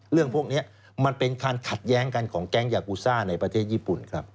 เรื่องพวกนี้มันเป็นการขัดแย้งกันของแก๊งยากูซ่าในประเทศญี่ปุ่นครับ